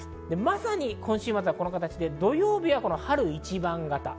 まさに今週はこの形で土曜日は春一番型。